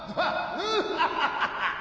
ヌハハハハハ！